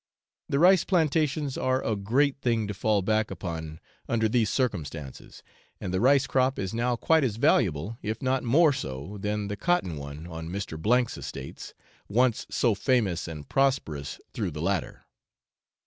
The rice plantations are a great thing to fall back upon under these circumstances, and the rice crop is now quite as valuable, if not more so, than the cotton one on Mr. 's estates, once so famous and prosperous through the latter.